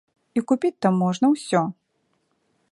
І купіць там можна ўсё.